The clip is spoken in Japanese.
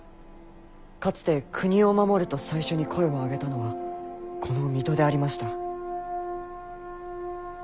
かつて「国を守る」と最初に声を上げたのはこの水戸でありました。